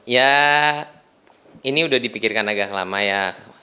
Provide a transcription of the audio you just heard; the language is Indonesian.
ya ini udah dipikirkan agak lama ya